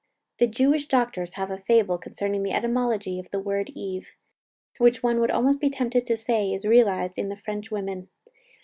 The Jewish doctors have a fable concerning the etymology of the word Eve, which one would almost be tempted to say is realized in the French women.